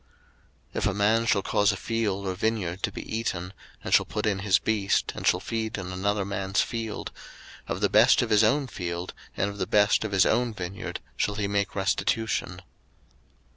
02:022:005 If a man shall cause a field or vineyard to be eaten, and shall put in his beast, and shall feed in another man's field; of the best of his own field, and of the best of his own vineyard, shall he make restitution.